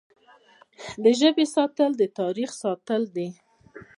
د ژبې ساتنه د تاریخ ساتنه ده.